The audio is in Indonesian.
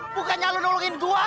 bukanya lu nolongin be